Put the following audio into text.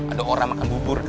ada orang makan bubur